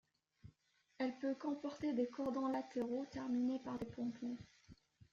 Elle peut comporter des cordons latéraux terminés par des pompons.